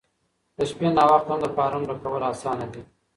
د شپې ناوخته هم د فارم ډکول اسانه دي.